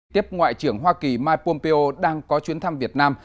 tiếp ngoại trưởng hoa kỳ mike pompeo đang có chuyến thăm việt nam